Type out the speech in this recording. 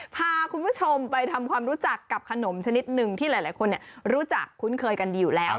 พาคุณผู้ชมไปทำความรู้จักกับขนมชนิดหนึ่งที่หลายคนรู้จักคุ้นเคยกันดีอยู่แล้ว